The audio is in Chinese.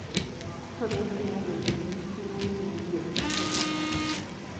特别出演友情出演友情客串